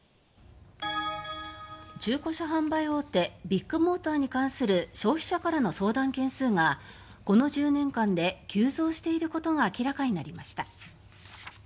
中古車販売大手ビッグモーターに関する消費者からの相談件数がこの１０年間で急増していることが明らかになりました。